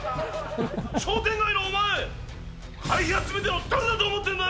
商店街の、お前、会費集めてるの誰だと思ってるんだよ！